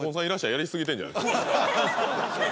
やりすぎてるんじゃないですか？